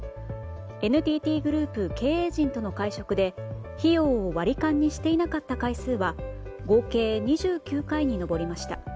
ＮＴＴグループ経営陣との会食で費用を割り勘にしていなかった回数は合計２９回に上りました。